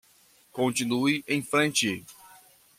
Continue em frente